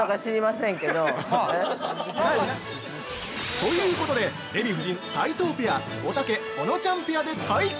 ◆ということで、デヴィ夫人・斉藤ペアおたけ・保乃ちゃんペアで対決。